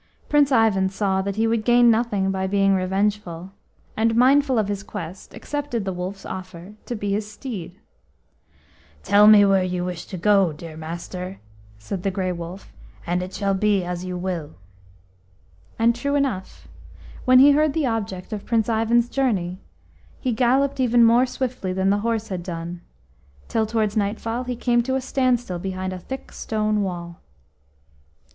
Prince Ivan saw that he would gain nothing by being revengeful, and, mindful of his quest, accepted the Wolf's offer to be his steed. "Tell me where you wish to go, dear master!" said the Grey Wolf, "and it shall be as you will." And, true enough, when he heard the object of Prince Ivan's journey, he galloped even more swiftly than the horse had done, till towards nightfall he came to a standstill behind a thick stone wall.